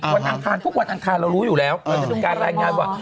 วันอันทางทุกวันอันทางเรารู้อยู่แล้วการรายงานว่า